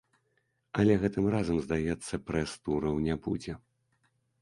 Але гэтым разам, здаецца, прэс-тураў не будзе.